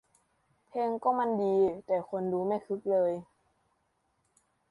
เพลงก็มันดี แต่คนดูไม่คึกเลย